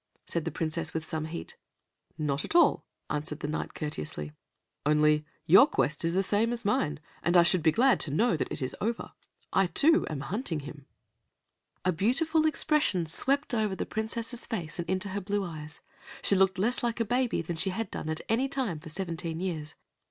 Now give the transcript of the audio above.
said the Princess, with some heat. "Not at all," answered the Knight courteously, "only your quest is the same as mine, and I should be glad to know that it is over. I, too, am hunting him." A beautiful expression swept over the Princess's face and into her blue eyes. She looked less like a baby than she had done at any time for seventeen years.